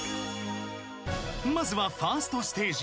［まずはファーストステージ］